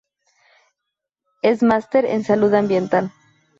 Es Master en Salud Ambiental.